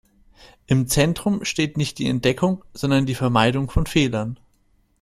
Im Zentrum steht nicht die Entdeckung, sondern die Vermeidung von Fehlern.